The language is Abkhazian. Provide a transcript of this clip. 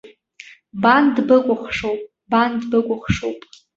Бан дбыкәыхшоуп, бан дбыкәыхшоуп!